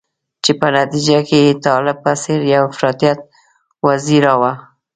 چې په نتیجه کې یې طالب په څېر یو افراطیت وزیږاوه.